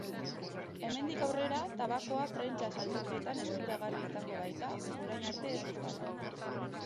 Hemendik aurrera tabakoa prentsa saltokietan eskuragarri izango baita, orain arte ez bezala.